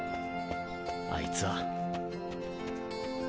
あいつは。